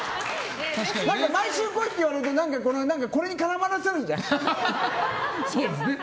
毎週来いって言われるとこれに絡ませられるじゃん。